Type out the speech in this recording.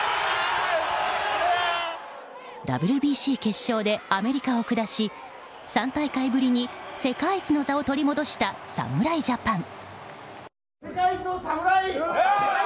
ＷＢＣ決勝でアメリカを下し３大会ぶりに世界一の座を取り戻した侍ジャパン。